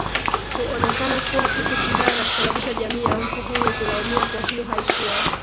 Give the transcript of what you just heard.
huonekana kuwa kitu kibaya na kusababisha jamii ya mfu huyo kulaumiwa Kwa hiyo haikuwa